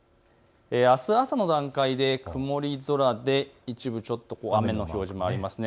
あす朝の段階で曇り空で一部雨の表示もありますね。